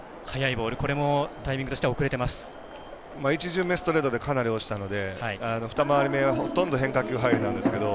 １巡目、ストレートでかなり押したので２回り目はほとんど変化球入りなんですけど